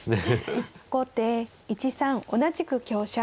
後手１三同じく香車。